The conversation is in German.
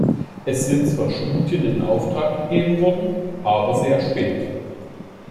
Es sind zwar Studien in Auftrag gegeben worden, aber sehr spät.